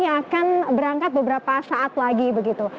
yang akan berangkat beberapa saat lagi begitu